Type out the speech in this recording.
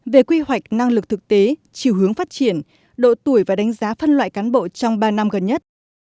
về quy hoạch năng lực thực tế chiều hướng phát triển độ tuổi và đánh giá phân loại cán bộ trong ba năm gần nhất